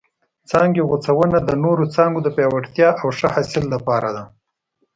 څانګې غوڅونه د نورو څانګو د پیاوړتیا او ښه حاصل لپاره ده.